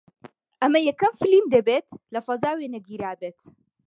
ئەمە یەکەم فیلم دەبێت لە فەزا وێنەی گیرابێت